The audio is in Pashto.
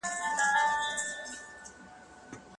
ایا په موټر کې ناست سړي ته خپله ګناه معلومه وه؟